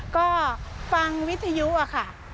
ก็ฟังวิทยุค่ะ